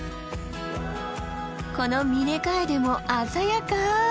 このミネカエデも鮮やか。